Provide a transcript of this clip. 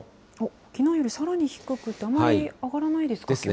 きのうよりさらに低く、あまり上がらないですか、きょうは。ですね。